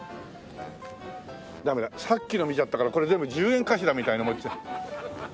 ダメださっきの見ちゃったからこれ全部１０円かしらみたいに思っちゃう。